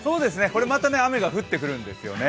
これはまた雨が降ってくるんですよね。